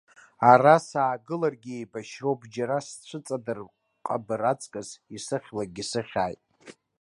Ара саагыларгьы еибашьроуп, џьара сцәыҵадырҟабыр аҵкыс, исыхьлакгьы сыхьааит.